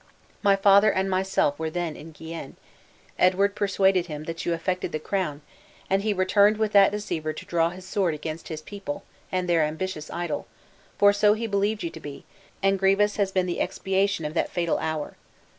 My father and myself were then in Guienne; Edward persuaded him that you affected the crown; and he returned with that deceiver to draw his sword against his people and their ambitious idol for so he believed you to be; and grievous has been the expiation of that fatal hour!